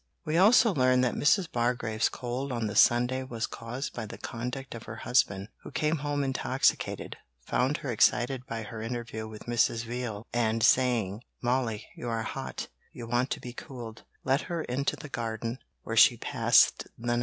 We also learn that Mrs. Bargrave's cold on the Sunday was caused by the conduct of her husband, who came home intoxicated, found her excited by her interview with Mrs. Veal, and saying, 'Molly, you are hot, you want to be cooled,' led her into the garden, where she passed the night.